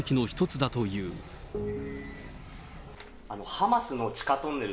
ハマスの地下トンネル。